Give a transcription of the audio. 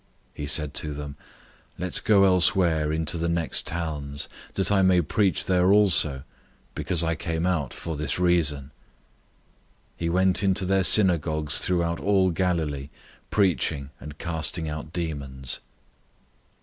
001:038 He said to them, "Let's go elsewhere into the next towns, that I may preach there also, because I came out for this reason." 001:039 He went into their synagogues throughout all Galilee, preaching and casting out demons.